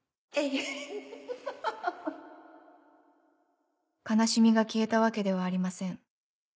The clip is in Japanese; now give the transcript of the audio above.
フフフ「悲しみが消えたわけではありません。